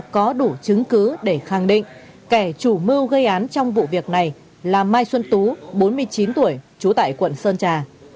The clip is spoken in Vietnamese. có đủ chứng cứ để khẳng định kẻ chủ mưu gây án trong vụ việc này là mai xuân tú bốn mươi chín tuổi trú tại quận sơn trà